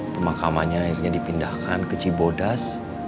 pemakamannya akhirnya dipindahkan ke cibodas